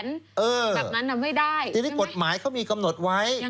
แบบนั้นไม่ได้ทีนี้กฎหมายเขามีกำหนดไว้